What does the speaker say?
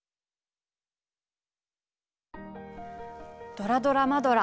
「ドラドラマドラ！